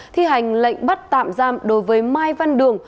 thi hành lệnh bắt tạm giam đối với mai văn đường